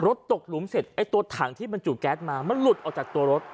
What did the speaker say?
ตกหลุมเสร็จไอ้ตัวถังที่บรรจุแก๊สมามันหลุดออกจากตัวรถ